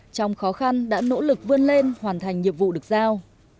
trong khó khăn đã nỗ lực vươn lên hoàn thành nhiệm vụ được giao